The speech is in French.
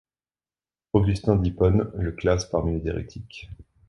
Augustin d'Hippone le classe parmi les hérétiques.